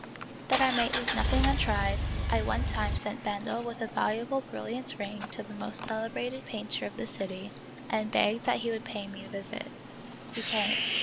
That I might leave nothing untried,! one time sent Bendel with a valuable brilliant ring to the most celebrated painter of the city and begged that he would pay me a visit. He came.